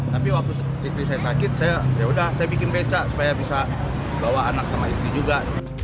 tapi waktu istri saya sakit saya yaudah saya bikin becak supaya bisa bawa anak sama istri juga